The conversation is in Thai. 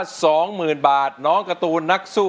สองหมื่นบาทน้องการ์ตูนนักสู้